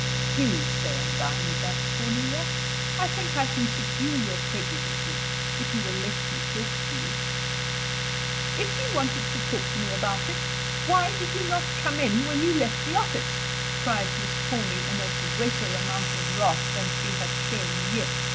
"Do stay and dine with us, Cornelia; I think I can subdue your prejudices, if you will let me talk to you." "If you wanted to talk to me about it, why did you not come in when you left the office?" cried Miss Corny, in a greater amount of wrath than she had shown yet.